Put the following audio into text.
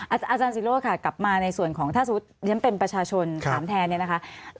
อาจารย์ศิโรธค่ะกลับมาในส่วนของถ้าสมมุติฉันเป็นประชาชนถามแทนเนี่ยนะคะ